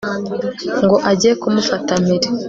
ngo ajye kumufata mpiri